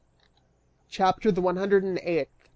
CHAPTER THE ONE HUNDRED AND EIGHTH.